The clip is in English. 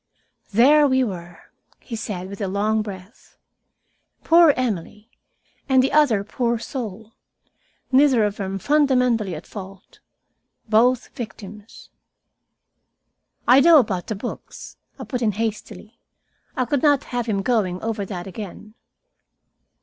"There we were," he said, with a long breath. "Poor Emily, and the other poor soul, neither of them fundamentally at fault, both victims." "I know about the books," I put in hastily. I could not have him going over that again.